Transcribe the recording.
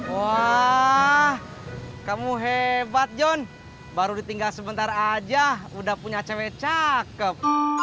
wah kamu hebat john baru ditinggal sebentar aja udah punya cewek cakep